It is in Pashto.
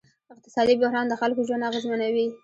اقتصادي بحران د خلکو ژوند اغېزمنوي.